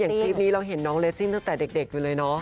คลิปนี้เราเห็นน้องเลสซิ่งตั้งแต่เด็กอยู่เลยเนอะ